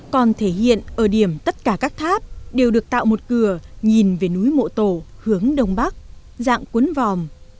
còn thể hiện ở điểm tất cả các tháp đều được tạo một cửa nhìn về núi mộ tổ hướng đông bắc dạng cuốn vòm